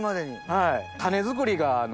はい。